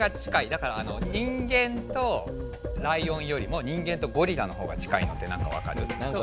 だからあの人間とライオンよりも人間とゴリラのほうが近いのってなんかわかる？